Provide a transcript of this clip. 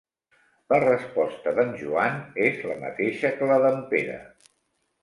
La resposta d'en Joan és la mateixa que la d'en Pere.